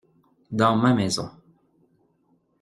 Dans ma maison.